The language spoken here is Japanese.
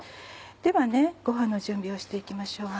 ではご飯の準備をして行きましょう。